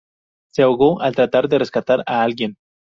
Se ahogó al tratar de rescatar a alguien.